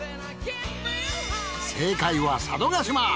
正解は佐渡島。